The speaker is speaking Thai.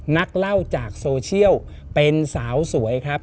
นักเล่าจากโซเชียลเป็นสาวสวยครับ